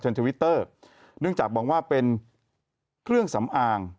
เนื่องจากบอกว่าเป็นเครื่องสำอาง